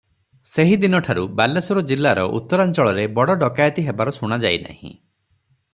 ସେହି ଦିନ ଠାରୁ ବାଲେଶ୍ୱର ଜିଲ୍ଲାର ଉତ୍ତରାଞ୍ଚଳରେ ବଡ଼ ଡକାଏତି ହେବାର ଶୁଣା ଯାଇନାହିଁ ।